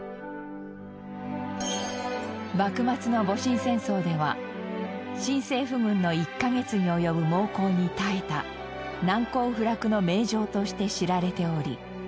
幕末の戊辰戦争では新政府軍の１カ月に及ぶ猛攻に耐えた難攻不落の名城として知られており。